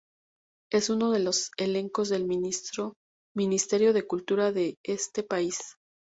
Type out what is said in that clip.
Es uno de los elencos del Ministerio de Cultura de este país.